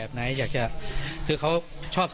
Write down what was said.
เพลงที่สุดท้ายเสียเต้ยมาเสียชีวิตค่ะ